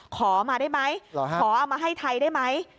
ขอมาได้ไหมขอเอามาให้ไทยได้ไหม